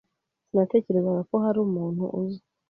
Sinatekerezaga ko hari umuntu uza.